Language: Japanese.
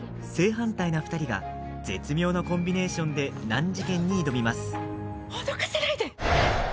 反対な２人が絶妙なコンビネーションで難事件に挑みます。